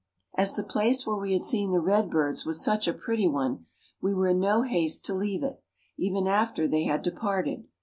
As the place where we had seen the redbirds was such a pretty one, we were in no haste to leave it, even after they had departed.